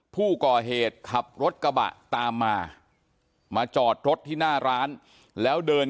ผู้ก่อเหตุขับรถกระบะตามมามาจอดรถที่หน้าร้านแล้วเดิน